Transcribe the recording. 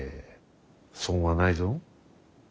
損はないぞ。